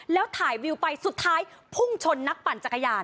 แล้วถ่ายวิวไปสุดท้ายพุ่งชนนักปั่นจักรยาน